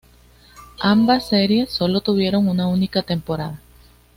Ambas series solo tuvieron una única temporada.